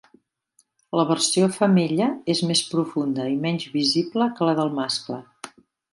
La versió femella és més profunda i menys visible que la del mascle.